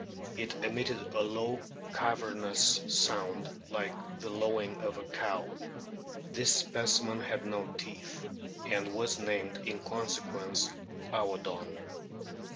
"It emitted a low cavernous sound like the lowing of a cow." This specimen had no teeth, and was named in conse quence Aodon.